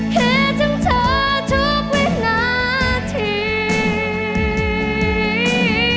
เธอถึงเธอทุกวินาที